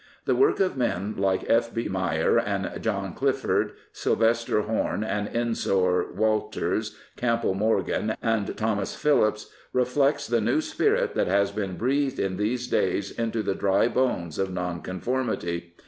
The work of men like F. B. Meyer and John Clifford, Silvester Horne and Ensor Walters, Campbell Morgan and Thomas Phillips, reflects the new spirit that has been breathed in these days into the dry bones of Nonconformity.